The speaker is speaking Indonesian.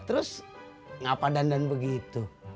terus ngapa dandan begitu